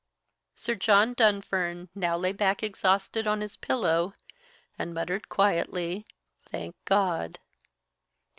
Sir John Dunfern now lay back exhausted on his pillow, and muttered quietly "Thank God."